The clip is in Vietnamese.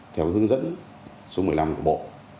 theo hướng dẫn số một mươi năm của bộ